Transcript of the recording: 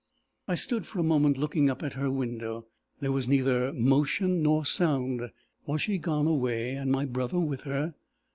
"I stood for a moment looking up at her window. There was neither motion nor sound. Was she gone away, and my brother with her?